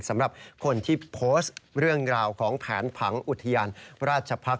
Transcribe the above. สำหรับคนที่โพสต์เรื่องราวของแผนผังอุทยานราชพักษ